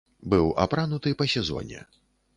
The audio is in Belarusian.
Быў апрануты па сезоне.